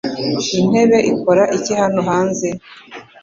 Iyi ntebe ikora iki hano hanze?